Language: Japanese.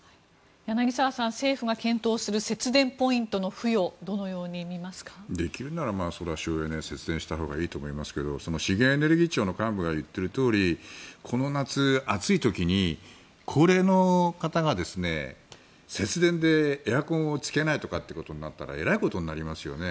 柳澤さん、政府が検討する節電ポイントの付与できるならそれは省エネ節電したほうがいいと思いますけどその資源エネルギー庁の幹部が言っているとおりこの夏、暑い時に高齢の方が節電でエアコンをつけないとかってことになったらえらいことになりますよね。